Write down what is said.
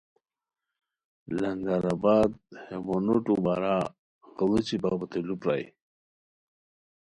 لنگر آباد ہے مونوٹو بارا غیڑوچی بپو تین لوُ پرائے